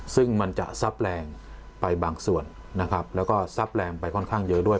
ซึ่งมันจะซับแรงไปบางส่วนนะครับแล้วก็ซับแรงไปค่อนข้างเยอะด้วย